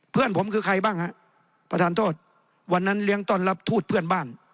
เพื่อนผมคือใครบ้างฮะประธานโทษวันนั้นเลี้ยงต้อนรับทูตเพื่อนบ้าน